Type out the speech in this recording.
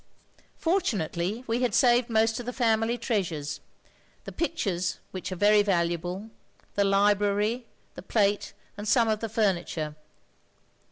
" Fortunately we had saved most of the family treasures; the pictures, which are very valuable, the library, the plate, and some of the furniture.